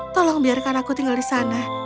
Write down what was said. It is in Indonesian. tolong biarkan aku tinggal di sana